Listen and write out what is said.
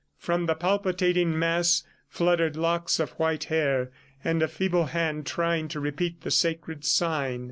From the palpitating mass fluttered locks of white hair, and a feeble hand, trying to repeat the sacred sign.